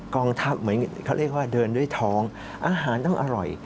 กองทัพเหมือนเขาเรียกว่าเดินด้วยท้องอาหารต้องอร่อย